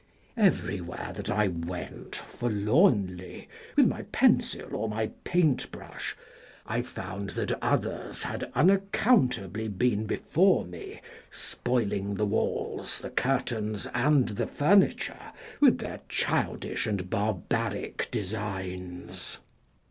Everywhere that I went for lornly, with my pencil or my paint brush, I found that others had unaccountably been before me, spoiling the walls, the curtains, and the furniture with their childish and barbaric designs.